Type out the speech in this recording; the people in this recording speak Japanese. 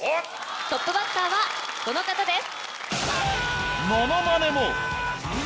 トップバッターはこの方です。